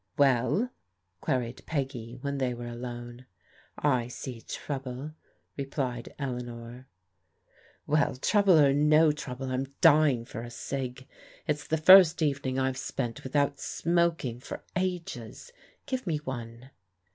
Well ?" queried Peggy when they were alone. I see trouble," replied Eleanor* Well, trouble or no trouble, I'm dying for a cig. It's the first evening I've spent without smoking for ages. Give me one."